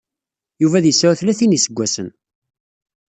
Yuba ad yesɛu tlatin isaggasen.